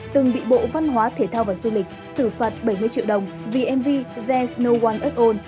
từng bị bộ văn hóa thể thao và du lịch xử phạt bảy mươi triệu đồng vì mv there s no one at all